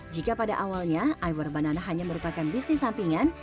jika pada awalnya iver banana hanya merupakan bisnis sampingan